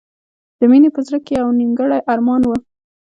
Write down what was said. د مینې په زړه کې یو نیمګړی ارمان و